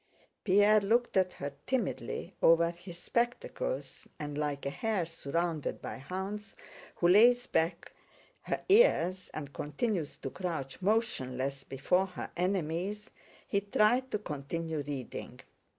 Pierre looked at her timidly over his spectacles, and like a hare surrounded by hounds who lays back her ears and continues to crouch motionless before her enemies, he tried to continue reading.